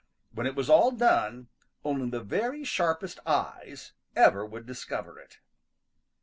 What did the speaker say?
When it was all done only the very sharpest eyes ever would discover it.